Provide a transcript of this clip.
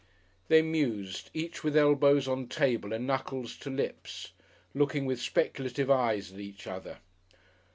They mused, each with elbows on table and knuckles to lips, looking with speculative eyes at each other.